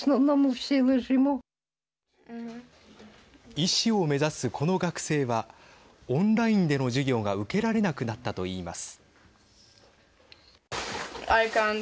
医師を目指す、この学生はオンラインでの授業が受けられなくなったと言います。